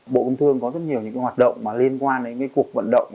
bộ công thương có rất nhiều những hoạt động liên quan đến cuộc vận động